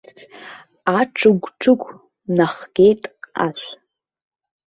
Аҿыгә-ҿыгә нахгеит ашә.